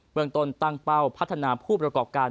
เมืองต้นตั้งเป้าพัฒนาผู้ประกอบการ